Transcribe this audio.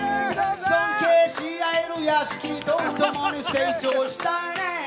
「尊敬しあえる屋敷と共に成長したいねん」